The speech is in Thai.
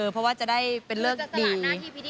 เพราะว่าจะได้เป็นเรื่องดี